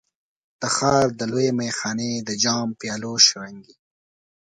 د ښار د لویې میخانې د جام، پیالو شرنګی